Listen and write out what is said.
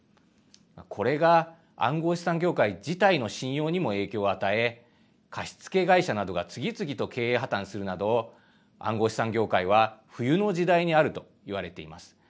これが暗号資産業界自体の信用にも影響を与え貸付会社などが次々と経営破綻するなど暗号資産業界は冬の時代にあると言われています。